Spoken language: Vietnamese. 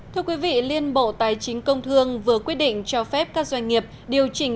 thưa quý vị liên bộ tài chính công thương vừa quyết định cho phép các doanh nghiệp điều chỉnh